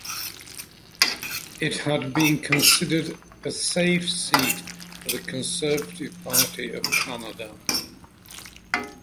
It had been considered a safe seat for the Conservative Party of Canada.